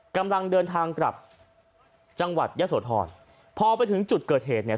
กำลังเดินทางกลับจังหวัดยะโสธรพอไปถึงจุดเกิดเหตุเนี่ย